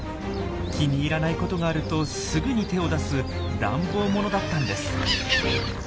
気に入らないことがあるとすぐに手を出す乱暴者だったんです。